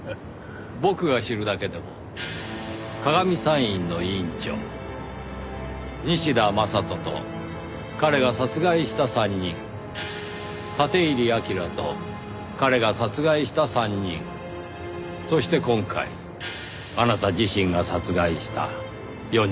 僕が知るだけでも鏡見産院の院長西田正人と彼が殺害した３人立入章と彼が殺害した３人そして今回あなた自身が殺害した４人。